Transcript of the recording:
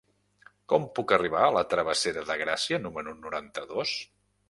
Com puc arribar a la travessera de Gràcia número noranta-dos?